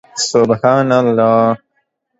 سبحان الله